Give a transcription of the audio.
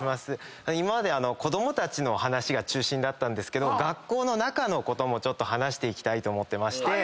今まで子供たちの話が中心だったんですけど学校の中のこともちょっと話していきたいと思ってまして。